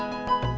terima kasih ya